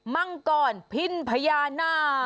มังกรพินพญานาค